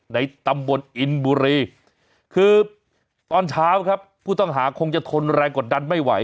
ในตำบลอินบุรีคือตอนเช้าครับผู้ต้องหาคงจะทนแรงกดดันไม่ไหว